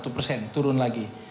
satu persen turun lagi